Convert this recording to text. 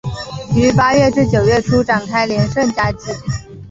于八月至九月初展开连胜佳绩。